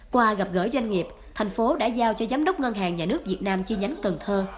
qua gặp gỡ doanh nghiệp thành phố đã giao cho giám đốc ngân hàng nhà nước việt nam chi nhánh cần thơ